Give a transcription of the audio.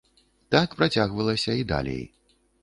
Так працягвалася і далей.